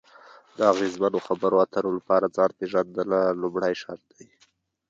د اغیزمنو خبرو اترو لپاره ځان پېژندنه لومړی شرط دی.